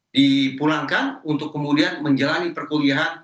dipulangkan untuk kemudian menjalani perkuliahan